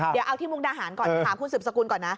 เดี๋ยวเอาที่มุกดาหารก่อนถามคุณสืบสกุลก่อนนะ